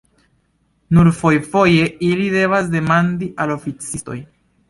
Nur fojfoje ili devas demandi al oficistoj.